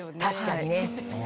確かにね。